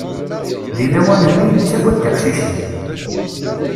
Deg lawan-nni, nettagad tiqcicin.